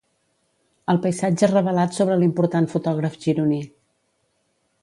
El paisatge revelat sobre l'important fotògraf gironí.